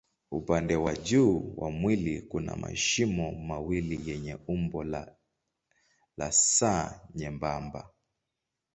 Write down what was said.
Upande wa juu wa mwili kuna mashimo mawili yenye umbo la S nyembamba.